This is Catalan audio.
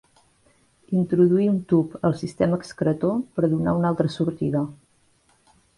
Introduir un tub al sistema excretor per donar una altra sortida.